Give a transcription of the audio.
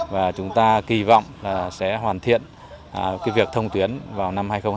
và chúng ta kỳ vọng sẽ hoàn thiện việc thông tuyến vào năm hai nghìn hai mươi năm